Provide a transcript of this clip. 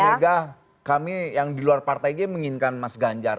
ini loh bu mega kami yang di luar partai ini menginginkan mas ganjar